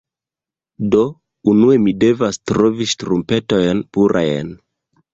Do, unue mi devas trovi ŝtrumpetojn purajn